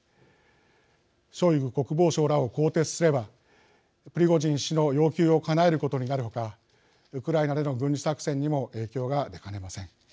ショイグ国防相らを更迭すればプリゴジン氏の要求をかなえることになるほかウクライナでの軍事作戦にも影響が出かねません。